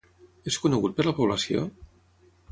És conegut per la població?